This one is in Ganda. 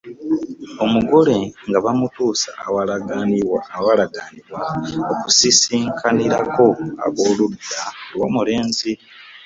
Omugole nga bamutuusa awaalagaanibwa okusisinkanirako ab’oludda lw’omulenzi.